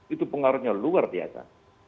itu pengaruhnya luar biasa